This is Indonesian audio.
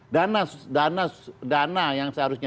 dana dana yang seharusnya